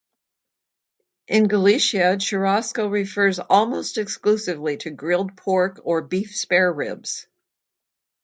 In Galicia, churrasco refers almost exclusively to grilled pork or beef spare-ribs.